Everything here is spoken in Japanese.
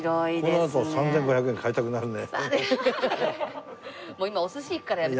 こうなると３５００円買いたくなるね。